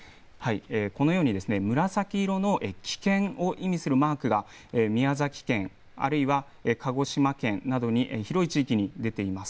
このようにですね、紫色の危険を意味するマークが宮崎県、あるいは鹿児島県などに広い地域に出ています。